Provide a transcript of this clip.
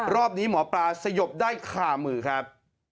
รอบนี้หมอปลาสยบได้คามือครับ